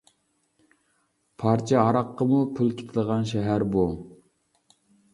پارچە ھاراققىمۇ پۇل كېتىدىغان شەھەر بۇ!